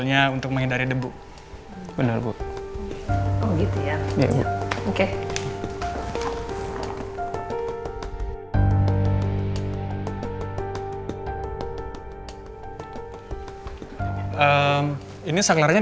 nanti bersih ya mas ya